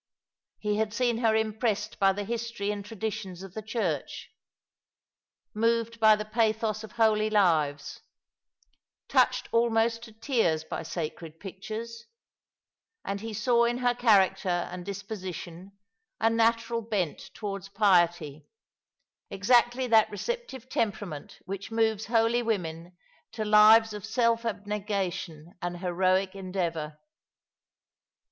He had seen her impressed by the history and traditions of the church, moved by the pathos of holy lives, touched almost to tears by sacred pictures, and he saw in her character and disposi tion a natural bent towards piety, exactly that receptive temperament which moves holy women to lives of self abne gation and heroic endeavour.